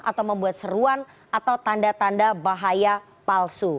atau membuat seruan atau tanda tanda bahaya palsu